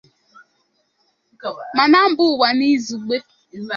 ma na mba ụwa n'izùgbe.